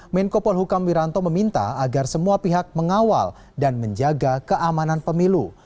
menko polhukam wiranto meminta agar semua pihak mengawal dan menjaga keamanan pemilu